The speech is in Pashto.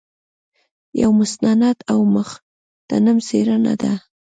یو مستند او مغتنم څېړنه ده.